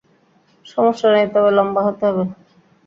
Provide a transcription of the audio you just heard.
সমস্যা নেই, তবে লম্বা হতে হবে।